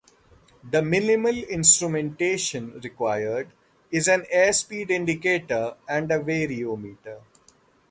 The minimal instrumentation required is an airspeed indicator and a variometer.